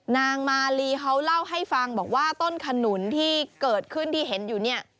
นางมาลีเขาเล่าให้ฟังบอกว่าต้นขนุนที่เกิดขึ้นที่เห็นอยู่เนี่ย